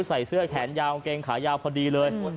ใส่เสื้อแขนยาวกางเกงขายาวพอดีเลย